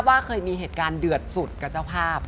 ว่าเคยมีเหตุการณ์เดือดสุดกับเจ้าภาพ